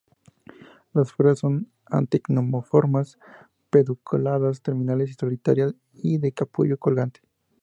Las flores son actinomorfas, pedunculadas, terminales y solitarias y de capullo colgante.